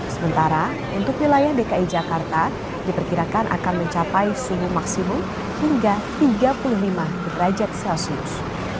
sementara untuk wilayah dki jakarta diperkirakan akan mencapai suhu maksimum hingga tiga puluh lima derajat celcius